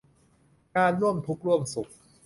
การร่วมทุกข์ร่วมสุข